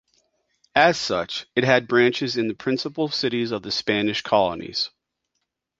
As such, it had branches in the principal cities of the Spanish colonies.